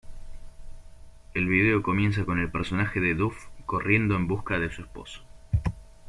El vídeo comienza con el personaje de Duff, corriendo en busca de su esposo.